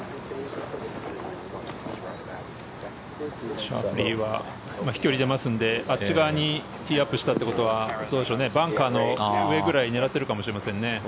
シャフリーは飛距離が出ますのであっち側にティーアップしたということはバンカーの上ぐらいを狙っているかもしれませんね。